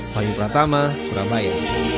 pagi pertama surabaya